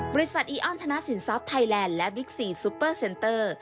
บริษัทอีออนธนาศิลป์ซอสไทยแลนด์และบิ๊กซีซุปเปอร์เซ็นเตอร์